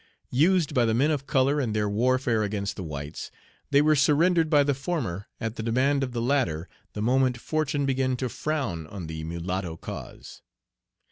Used by the men of color in their warfare against the whites, they were surrendered by the former at the demand of the latter the moment fortune began to frown on the mulatto cause.